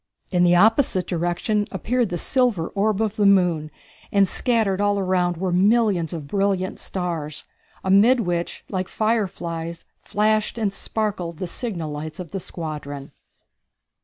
In the opposite direction appeared the silver orb of the moon, and scattered all around were millions of brilliant stars, amid which, like fireflies, flashed and sparkled the signal lights of the squadron.